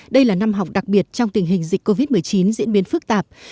đây là năm học đặc biệt trong tình hình dịch covid một mươi chín diễn biến phức tạp